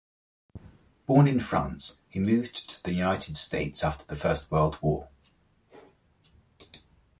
Born in France, he moved to the United States after the First World War.